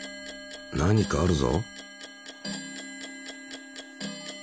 何かあるぞ。